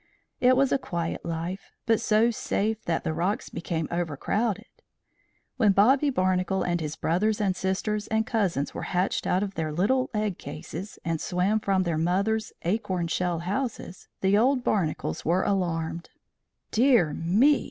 It was a quiet life, but so safe that the rocks became overcrowded. When Bobby Barnacle and his brothers and sisters and cousins were hatched out of their little egg cases and swam from their mother's acorn shell houses, the old Barnacles were alarmed. "Dear me!"